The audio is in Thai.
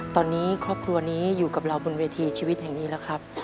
ตอนนี้ครอบครัวนี้อยู่กับเราบนเวทีชีวิตแห่งนี้แล้วครับ